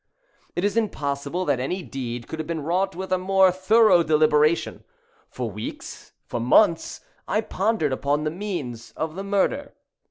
It is impossible that any deed could have been wrought with a more thorough deliberation. For weeks, for months, I pondered upon the means of the murder.